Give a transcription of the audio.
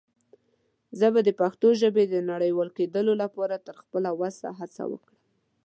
زه به دَ پښتو ژبې د نړيوال کيدلو لپاره تر خپله وسه هڅه وکړم.